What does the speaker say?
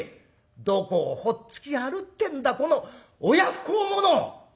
どこをほっつき歩ってんだこの親不孝者！」。